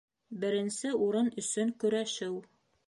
Беренсе урын өсөн көрәшеү